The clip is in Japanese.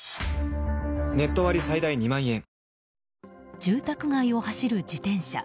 住宅街を走る自転車。